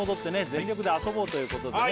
全力で遊ぼうということでね